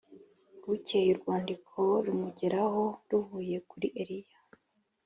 bukeye urwandiko rumugeraho ruvuye kuri eliya